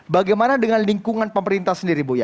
bagaimana dengan lingkungan pemerintah sendiri